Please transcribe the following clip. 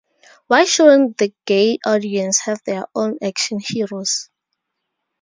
Why shouldn't the gay audience have their own action heroes?